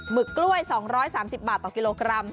ึกกล้วย๒๓๐บาทต่อกิโลกรัม